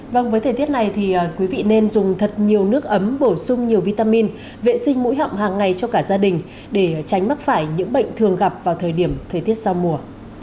vâng với thời tiết này thì quý vị nên dùng thật nhiều nước ấm bổ sung nhiều vitamin vệ sinh mũi họng hàng ngày cho cả gia đình để tránh mắc phải những bệnh thường gặp vào thời điểm thời tiết giao mùa